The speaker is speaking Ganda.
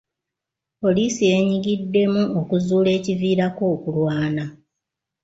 Poliisi yeenyigiddemu okuzuula ekiviirako okulwana.